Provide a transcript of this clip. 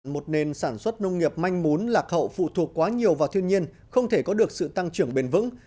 một nền sản xuất nông nghiệp manh mún lạc hậu phụ thuộc quá nhiều vào thiên nhiên không thể có được sự tăng trưởng bền vững